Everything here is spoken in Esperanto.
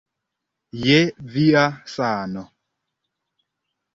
Je via sano.